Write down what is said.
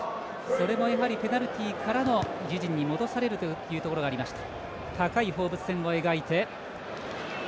それもペナルティからの自陣に戻されるということがありました。